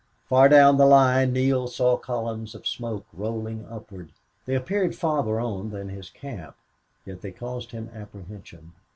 Far down the line Neale saw columns of smoke rolling upward. They appeared farther on than his camp, yet they caused him apprehension.